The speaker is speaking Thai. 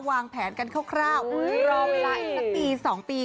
วางแผนกันคร่าวรอเวลาอีกสักปี๒ปี